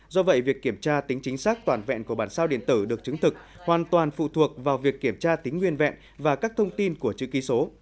do vậy việc kiểm tra tính chính xác toàn vẹn của bản sao điện tử được chứng thực hoàn toàn phụ thuộc vào việc kiểm tra tính nguyên vẹn và các thông tin của chữ ký số